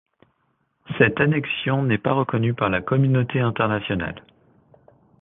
Cette annexion n'est pas reconnue par la communauté internationale.